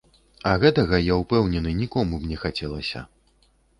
А гэтага, я ўпэўнены, нікому б не хацелася.